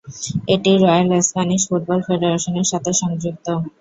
এটি Royal Spanish Football ফেডারেশনের সাথে সংযুক্ত।